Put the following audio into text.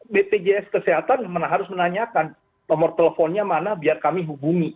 bpjs kesehatan harus menanyakan nomor teleponnya mana biar kami hubungi